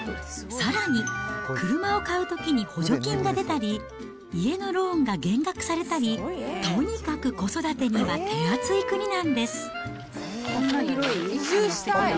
さらに、車を買うときに補助金が出たり、家のローンが減額されたり、とにかく子育てには手厚い国なんです。